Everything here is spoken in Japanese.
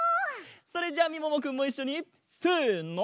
それじゃみももくんもいっしょにせの！